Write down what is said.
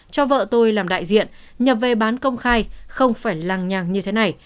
cho vợ tôi làm đại diện nhập về bán công khai không phải làng nhàng như thế này